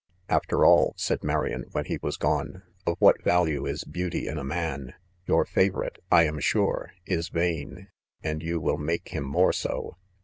'" After all," said Marian, when he was gone, * e of what value is beauty in a man 1 — your fa vorite,'/ am sure, is vain, and you will make Mm more. so.